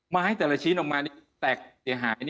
ให้แต่ละชิ้นออกมาแตกเสียหาย